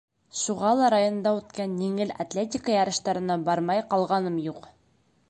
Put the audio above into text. Шуға ла районда үткән еңел атлетика ярыштарына бармай ҡалғаным юҡ.